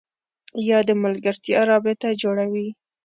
یا د ملګرتیا رابطه جوړوي